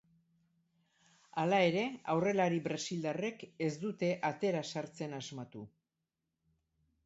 Hala ere aurrelari brasildarrek ez dute atera sartzen asmatu.